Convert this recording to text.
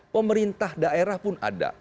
pemerintah daerah pun ada